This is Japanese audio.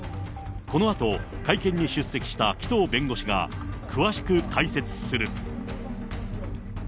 このあと、会見に出席した紀藤弁護士が、詳しく解説する。